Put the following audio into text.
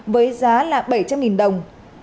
với giá là bảy trăm linh đồng